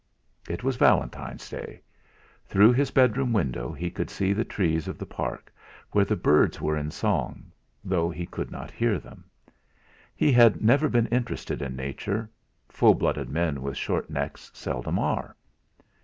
It was Valentine's Day. Through his bedroom window he could see the trees of the park, where the birds were in song, though he could not hear them. He had never been interested in Nature full blooded men with short necks seldom are.